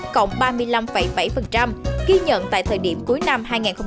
cộng ba mươi năm bảy ghi nhận tại thời điểm cuối năm hai nghìn hai mươi ba